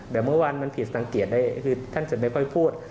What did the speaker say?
แต่เมื่อวานมันผิดสังเกตได้คือท่านจะไม่ค่อยพูด